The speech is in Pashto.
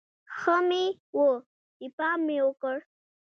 ښه مې و چې پام مې وکړ.